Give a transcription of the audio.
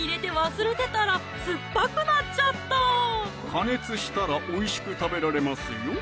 加熱したらおいしく食べられますよ